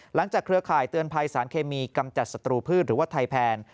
เครือข่ายเตือนภัยสารเคมีกำจัดศัตรูพืชหรือว่าไทยแพน